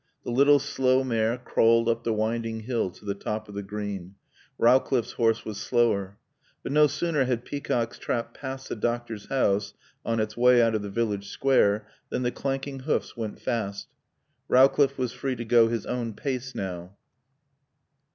The little slow mare crawled up the winding hill to the top of the Green; Rowcliffe's horse was slower. But no sooner had Peacock's trap passed the doctor's house on its way out of the village square, than the clanking hoofs went fast. Rowcliffe was free to go his own pace now.